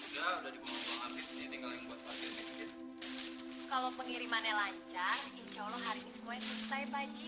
kalau pengirimannya lancar insya allah hari ini semuanya selesai pak haji